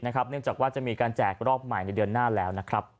เนื่องจากว่าจะมีการแจกรอบใหม่ในเดือนหน้าแล้วนะครับ